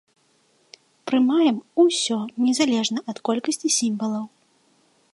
Прымаем усё, незалежна ад колькасці сімвалаў.